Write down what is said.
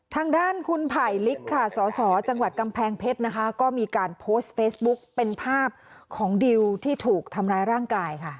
ทางด้านคุณไผ่ลิกค่ะสอสอจังหวัดกำแพงเพชรนะคะก็มีการโพสต์เฟซบุ๊กเป็นภาพของดิวที่ถูกทำร้ายร่างกายค่ะ